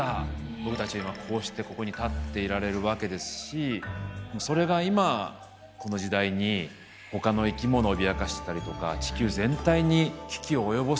今こうしてここに立っていられるわけですしそれが今この時代にほかの生き物を脅かしてたりとか地球全体に危機を及ぼすような存在になっている。